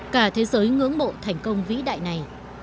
cả thế giới ngưỡng mộ thành công vĩ đại này